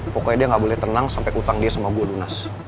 pokoknya dia gak boleh tenang sampe kutang dia sama gue dunas